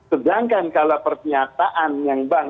sedangkan kalau pernyataan yang bank